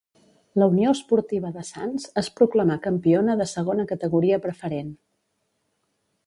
La Unió Esportiva de Sants es proclamà campiona de Segona Categoria Preferent.